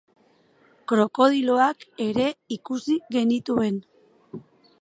Krokodiloak ere ikusi genituen.